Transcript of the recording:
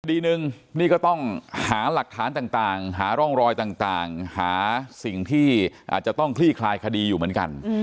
คดีหนึ่งนี่ก็ต้องหาหลักฐานต่างหาร่องรอยต่างหาสิ่งที่อาจจะต้องคลี่คลายคดีอยู่เหมือนกัน